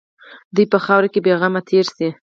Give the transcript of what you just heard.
دوی په خاوره کې بېغمه تېر شي.